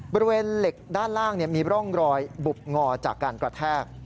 บริเวณเหล็กด้านล่างมีร่องรอยบุบงอจากการกระแทก